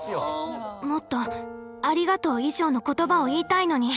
もっと「ありがとう」以上の言葉を言いたいのに。